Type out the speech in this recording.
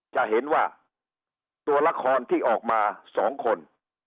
จะเห็นว่าตัวละครที่ออกมา๒คน